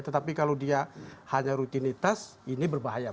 tetapi kalau dia hanya rutinitas ini berbahaya